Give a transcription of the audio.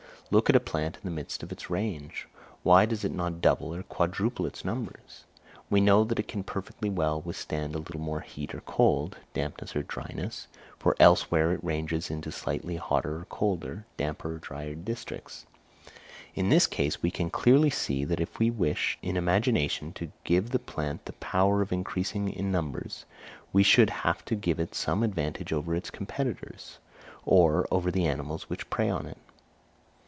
Look at a plant in the midst of its range! Why does it not double or quadruple its numbers? We know that it can perfectly well withstand a little more heat or cold, dampness or dryness, for elsewhere it ranges into slightly hotter or colder, damper or drier districts. In this case we can clearly see that if we wish in imagination to give the plant the power of increasing in numbers, we should have to give it some advantage over its competitors, or over the animals which prey on it.